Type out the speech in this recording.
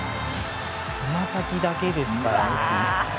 つま先だけですからね。